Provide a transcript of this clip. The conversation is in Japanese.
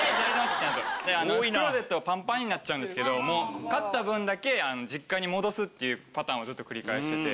クローゼットはパンパンになっちゃうんですけどもう買った分だけ実家に戻すっていうパターンをずっと繰り返してて。